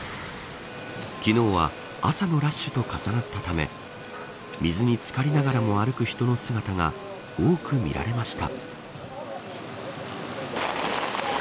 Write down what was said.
昨日は朝のラッシュと重なったため水に漬かりながらも歩く人の姿が多く見られました。